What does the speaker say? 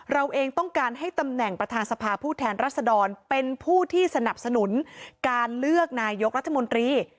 เราเองต้องการให้ตำแหน่งประธานสภาผู้แทนรัศดรเป็นผู้ที่สนับสนุนการเลือกนายกรัฐมนตรี